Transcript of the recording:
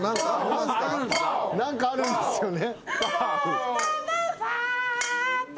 何かあるんですよね？